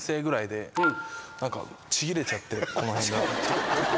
ちぎれちゃってこの辺が。